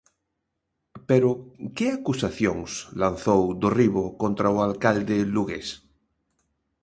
Pero, que acusacións lanzou Dorribo contra o alcalde lugués?